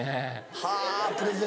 はぁプレゼント。